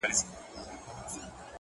اوس د دې څيزونو حرکت بې هوښه سوی دی